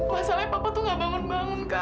pasalnya papa nggak bangun bangun kak